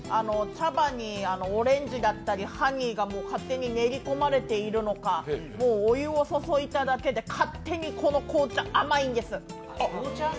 茶葉にオレンジだったりハニーが勝手に練り込まれているのかもうお湯を注いだだけで、勝手にこの紅茶、甘いんです。